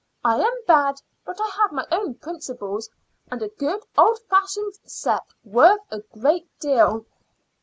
"I am bad, but I have my own principles and a good old fashioned set, worth a great deal."